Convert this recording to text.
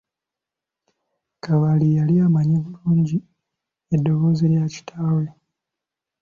Kabali yali amanyi bulungi eddoboozi lya kitawe.